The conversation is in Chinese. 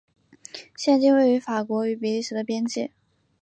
现今位于法国与比利时的边界。